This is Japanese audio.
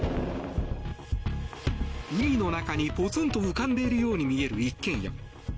海の中にポツンと浮かんでいるように見える一軒家。